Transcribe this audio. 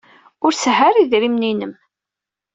Ur sehhu ara idrimen-im.